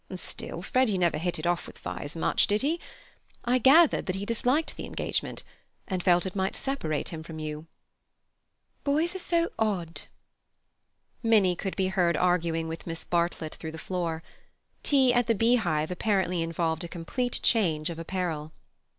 "Still, Freddy never hit it off with Vyse much, did he? I gathered that he disliked the engagement, and felt it might separate him from you." "Boys are so odd." Minnie could be heard arguing with Miss Bartlett through the floor. Tea at the Beehive apparently involved a complete change of apparel.